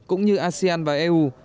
cũng như asean và eu